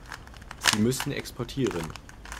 Sie müssen exportieren.